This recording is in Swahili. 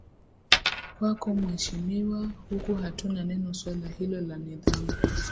kwako mhesimiwa huku hatuna neno swala hilo la nidhamu